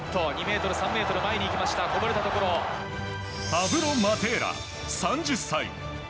パブロ・マテーラ、３０歳。